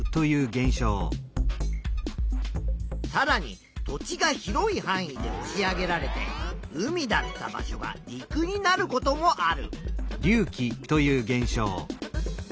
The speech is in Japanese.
さらに土地が広いはん囲でおし上げられて海だった場所が陸になることもある。